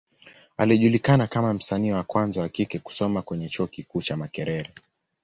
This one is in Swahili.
Alijulikana kama msanii wa kwanza wa kike kusoma kwenye Chuo kikuu cha Makerere.